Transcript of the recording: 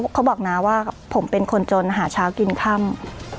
เขาบอกนะว่าผมเป็นคนจนหาเช้ากินค่ำ